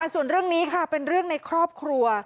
ส่วนเรื่องนี้ค่ะเป็นเรื่องในครอบครัว